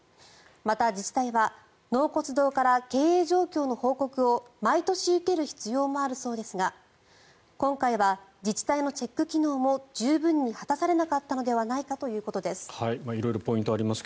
また、自治体は納骨堂から経営状況の報告を毎年受ける必要もあるそうですが今回は自治体のチェック機能も十分に果たされなかったのではないかということです。